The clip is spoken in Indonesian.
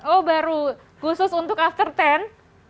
oh baru khusus untuk after sepuluh